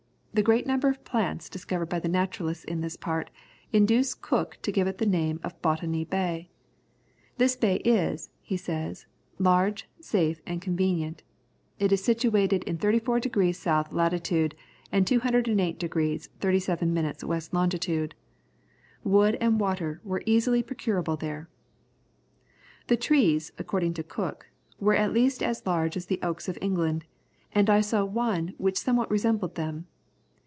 The great number of plants discovered by the naturalists in this part, induced Cook to give it the name of Botany Bay. "This bay is," he says, "large, safe, and convenient; it is situated in 34 degrees S. Lat., and 208 degrees 37 minutes W. Long." Wood and water were easily procurable there. "The trees," according to Cook, "were at least as large as the oaks of England, and I saw one which somewhat resembled them.